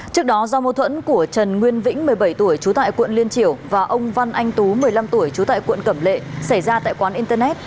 trước đó do mô thuẫn của trần nguyên vĩnh một mươi bảy tuổi trú tại quận liên triểu và ông văn anh tú một mươi năm tuổi trú tại quận cẩm lệ xảy ra tại quán internet